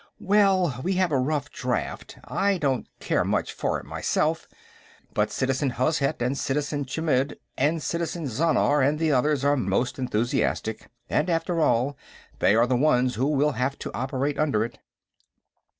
"Well, we have a rough draft. I don't care much for it, myself, but Citizen Hozhet and Citizen Chmidd and Citizen Zhannar and the others are most enthusiastic, and, after all, they are the ones who will have to operate under it."